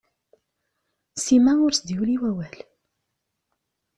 Sima ur as-d-yuli awawl.